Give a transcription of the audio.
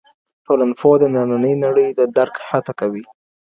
ټولنپوه د نننۍ نړۍ د درک هڅه کوي.